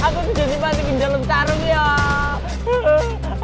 aku tuh jati pati ginjal lontar rupiah